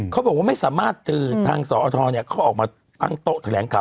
เขาบอกว่าไม่สามารถเจอทางสอทรเขาออกมาตั้งโต๊ะแถลงข่าว